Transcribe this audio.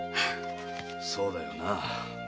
そうだよな。